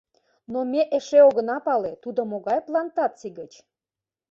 — Но ме эше огына пале: тудо могай плантаций гыч?